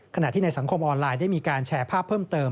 ในสังคมออนไลน์ได้มีการแชร์ภาพเพิ่มเติม